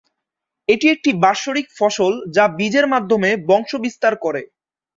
এটি একটি বার্ষিক ফসল যা বীজের মাধ্যমে বংশবিস্তার করে।